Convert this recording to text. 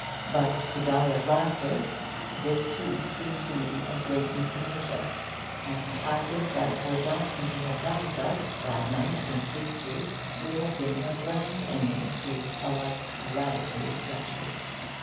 But to die of laughter this, too, seems to me a great euthanasia; and I think that for Johnson to have died thus, that night in Fleet Street, would have been a grand ending to 'a life radically wretched.